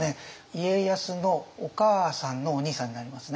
家康のお母さんのお兄さんになりますね。